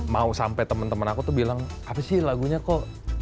mau sampai temen temen aku tuh bilang apa sih lagunya kok